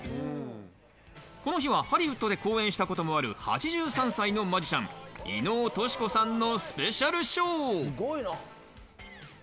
この日はハリウッドで公演したこともある、８３歳のマジシャン・伊能登志子さんのスペシャルショー。